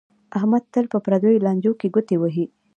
احمد تل په پردیو لانجو کې گوتې وهي